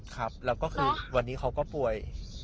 ครับแล้วก็คือวันนี้เขาก็ป่วย